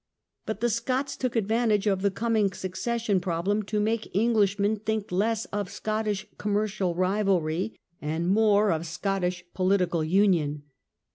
But the Scots took advantage of the coming succession problem to make Englishmen think less of Scottish com mercial rivalry and more of Scottish political The Act of union.